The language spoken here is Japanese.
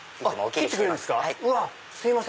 切ってくれるんですか